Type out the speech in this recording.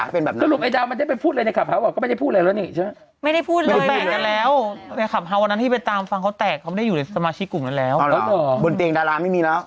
ก็ชะนีมันก็เป็นน้องสาวนะ